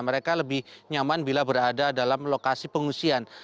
mereka lebih nyaman bila berada dalam lokasi pengungsian